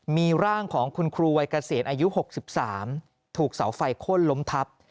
มีร่างของคุณครูวัยเกษียณอายุ๖๓ถูกเสาไฟข้นล้มทับ